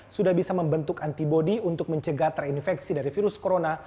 sudah bisa membentuk antibody untuk mencegah terinfeksi dari virus corona